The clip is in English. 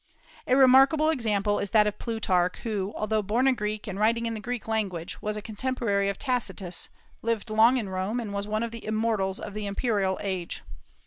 A remarkable example is that of Plutarch, who, although born a Greek and writing in the Greek language, was a contemporary of Tacitus, lived long in Rome, and was one of the "immortals" of the imperial age.